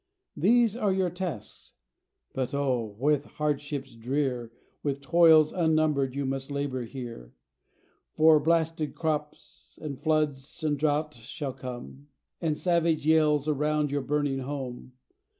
These are your tasks: but oh! with hardships drear, With toils unnumbered you must labour here; For blasted crops, and floods, and drought shall come, And savage yells around your burning home.